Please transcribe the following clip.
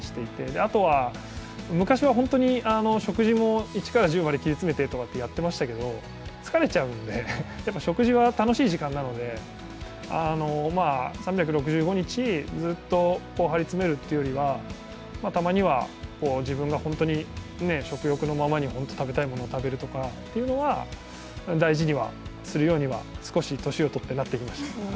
あとは、昔は本当に食事も一から十まで切り詰めてとかやっていましたけど、疲れちゃうんで、食事は楽しい時間なので、３６５日、ずっと張り詰めるというよりはたまには自分が本当に食欲のままに食べたいものを食べるというのは大事にはするようには少し年をとって、なってきました。